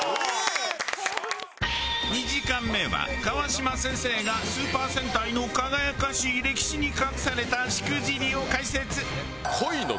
２時間目は川島先生がスーパー戦隊の輝かしい歴史に隠されたしくじりを解説。